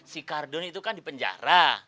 si kardun itu kan di penjara